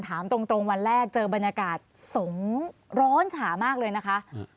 ถามตรงวันแรกเจอบรรยากาศสงร้อนฉามากเลยนะคะ